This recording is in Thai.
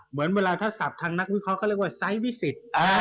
เหมือนเวลาถ้าศัพท์ทางนักวิเคราะห์เรียกว่าไซส์วิสิต